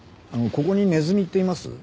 ここにネズミっています？